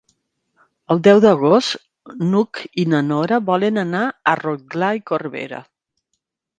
El deu d'agost n'Hug i na Nora volen anar a Rotglà i Corberà.